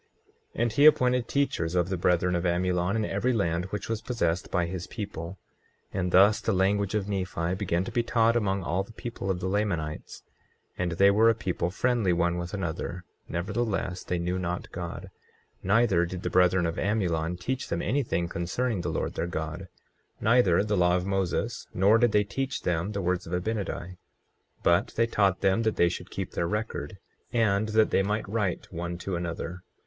24:4 And he appointed teachers of the brethren of Amulon in every land which was possessed by his people; and thus the language of Nephi began to be taught among all the people of the Lamanites. 24:5 And they were a people friendly one with another; nevertheless they knew not God; neither did the brethren of Amulon teach them anything concerning the Lord their God, neither the law of Moses; nor did they teach them the words of Abinadi; 24:6 But they taught them that they should keep their record, and that they might write one to another.